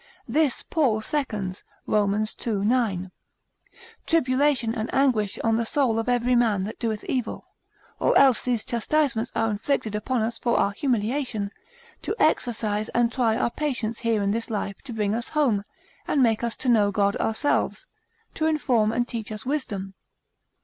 This Paul seconds, Rom. ii. 9. Tribulation and anguish on the soul of every man that doeth evil. Or else these chastisements are inflicted upon us for our humiliation, to exercise and try our patience here in this life to bring us home, to make us to know God ourselves, to inform and teach us wisdom.